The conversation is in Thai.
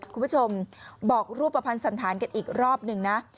คุณผู้ชมบอกรูปภัณฑ์สันธารกันอีกรอบหนึ่งนะ